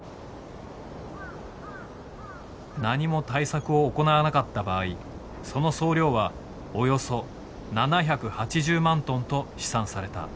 何も対策を行わなかった場合その総量はおよそ７８０万トンと試算された。